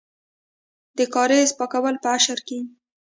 د کاریز پاکول په اشر کیږي.